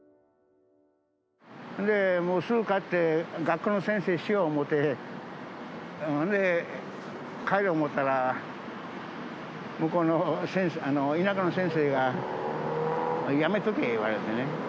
もうすぐ帰って、学校の先生しよう思って、帰ろう思ったら、向こうの、田舎の先生が、やめとけ言われてね。